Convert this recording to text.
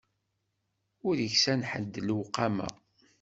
Ur iksan ḥedd lewqama.